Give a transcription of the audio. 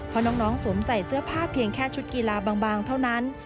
เพราะน้องสวมใส่เสื้อผ้าเพียงแค่ชุดกีฬาบางเท่านั้น